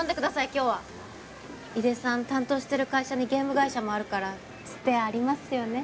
今日は井手さん担当してる会社にゲーム会社もあるからツテありますよね？